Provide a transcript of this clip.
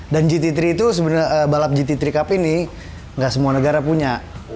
dan gt tiga itu sebenarnya balap gt tiga cup ini nggak semua negara punya